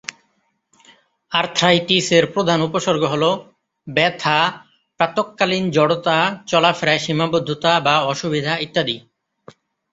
আর্থ্রাইটিস-এর প্রধান উপসর্গ হলো ব্যথা, প্রাতঃকালীন জড়তা, চলাফেরায় সীমাবদ্ধতা বা অসুবিধা ইত্যাদি।